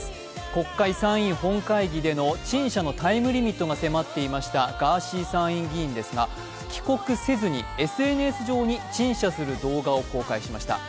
国会、参院本会議での陳謝のタイムリミットが迫っていましたガーシー参議院議員ですが帰国せずにＳＮＳ上に陳謝する動画を公開しました。